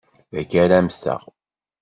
Dagi ara mmteγ.